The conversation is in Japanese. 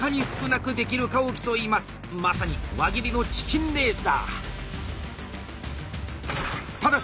まさに輪切りのチキンレースだ。